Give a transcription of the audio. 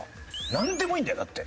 なんでもいいんだよだって。